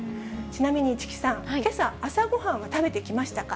ちなみに、市來さん、けさ、朝ごはんは食べてきましたか？